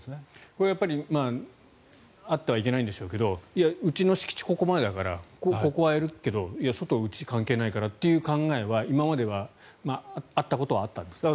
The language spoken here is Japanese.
これはやっぱりあってはいけないんでしょうけどうちの敷地、ここまでだからここはやるけど外は、うち関係ないからっていう考え方は今まではあったことはあったんですか？